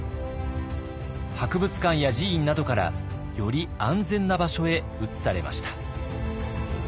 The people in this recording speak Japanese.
博物館や寺院などからより安全な場所へ移されました。